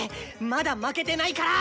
まだ負けてないから！